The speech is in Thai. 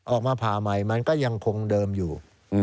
ออกมาผ่าใหม่มันก็ยังคงเดิมอยู่